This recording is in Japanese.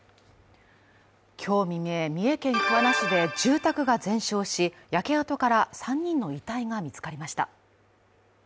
今日未明、三重県桑名市で住宅が全焼し、焼け跡から３人の遺体が見つかりました。